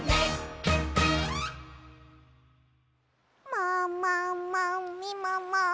「もももみもも